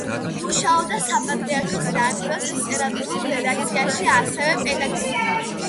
მუშაობდა საპატრიარქოს რადიოს ლიტერატურულ რედაქციაში; ასევე, პედაგოგად.